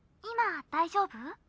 今大丈夫？